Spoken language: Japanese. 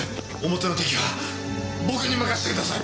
表の敵は僕に任せてください！